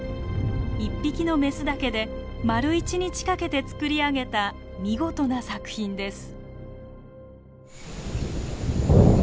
一匹のメスだけで丸一日かけて作り上げた見事な作品です。